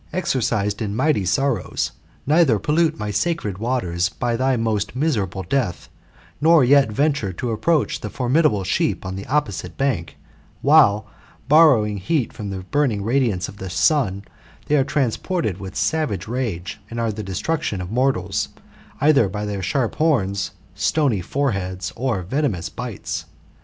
exercised in mighty sorrows, neither pollute my sacred waters by thy most miserable death, nor yet venture to approach the formidable sheep on the opposite bank, while, borrowing heat from the burning radiance of the sun, they are transported with savage rage, and are the destruction of mortals, either by their sharp horns, stony foreheads, or venemous bites.